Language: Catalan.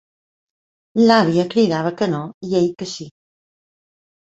L'àvia cridava que no i ell que sí.